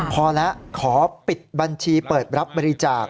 พอแล้วขอปิดบัญชีเปิดรับบริจาค